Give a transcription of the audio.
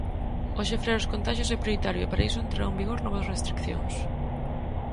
Hoxe frear os contaxios é prioritario e para iso entraron en vigor novas restricións.